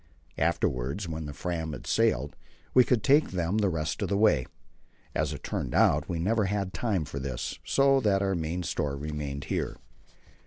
Afterwards when the Fram had sailed, we could take them the rest of the way. As it turned out, we never had time for this, so that our main store remained here.